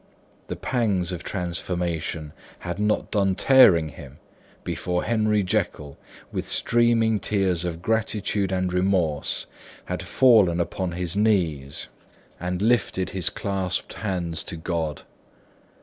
The pangs of transformation had not done tearing him, before Henry Jekyll, with streaming tears of gratitude and remorse, had fallen upon his knees and lifted his clasped hands to God.